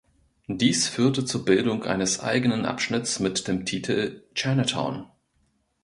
Dies führte zur Bildung eines eigenen Abschnitts mit dem Titel Chinatown.